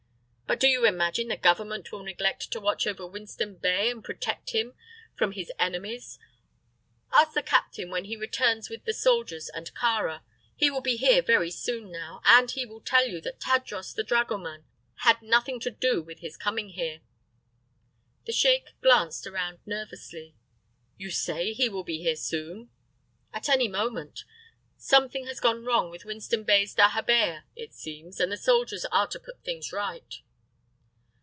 But do you imagine the Government will neglect to watch over Winston Bey and protect him from his enemies? Ask the captain when he returns with the soldiers and Kāra. He will be here very soon now, and he will tell you that Tadros the dragoman had nothing to do with his coming here." The sheik glanced around nervously. "You say he will be here soon?" "At any moment. Something has gone wrong with Winston Bey's dahabeah, it seems, and the soldiers are to put things right."